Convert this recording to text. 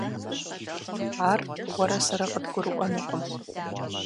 Ар уэрэ сэрэ къыдгурыӀуэнукъым.